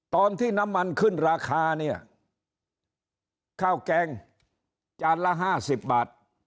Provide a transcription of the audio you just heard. ตอนที่น้ำมันขึ้นราคาเนี่ยข้าวแกงจานละ๕๐บาท